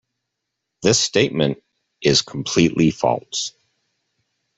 This statement is completely false.